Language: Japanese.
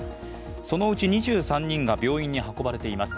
そのうち２３人が病院に運ばれています。